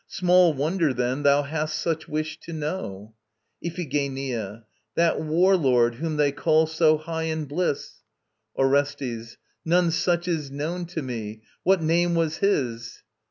Small wonder, then, thou hast such wish to know. IPHIGENIA. That war lord, whom they call so high in bliss... ORESTES. None such is known to me. What name was his?